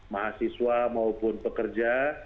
mahasiswa maupun pekerja